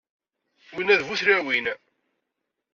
Winna d bu tlawin.